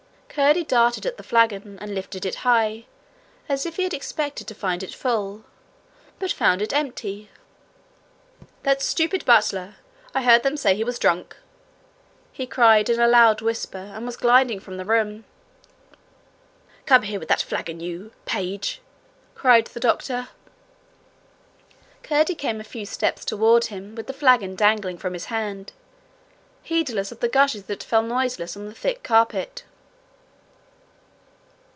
Curdie darted at the flagon, and lifted it high, as if he had expected to find it full, but had found it empty. 'That stupid butler! I heard them say he was drunk!' he cried in a loud whisper, and was gliding from the room. 'Come here with that flagon, you! Page!' cried the doctor. Curdie came a few steps toward him with the flagon dangling from his hand, heedless of the gushes that fell noiseless on the thick carpet.